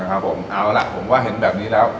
ครับผมเอาล่ะผมว่าเห็นแบบนี้แล้ว